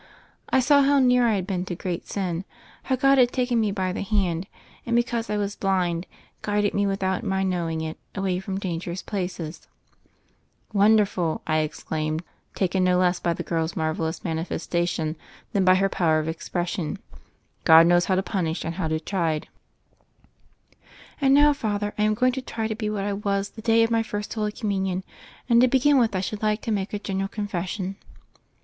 I saw how near I had been to great sin, and how God had taken me by the hand and, because I was blind, guided me, without my knowing it, away from danger ous places." "Wonderful r' I exclaimed, taken no less by THE FAIRY OF THE SNOWS 191 the girl's marvelous manifestation than by her power of expression. "God knows how to pun ish and how to chide." "And now, Father, I am going Xo try to be what I was the day of my First Holy Com munion ; and to begin with I should like to make a general confession."